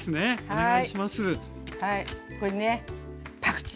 はい。